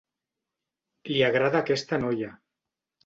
Li agrada aquesta noia.